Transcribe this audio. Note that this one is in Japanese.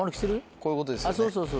こういうことですよね。